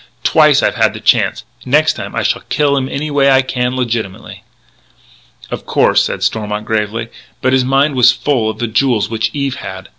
Twice I've had the chance. The next time I shall kill him any way I can.... Legitimately." "Of course," said Stormont gravely. But his mind was full of the jewels which Eve had.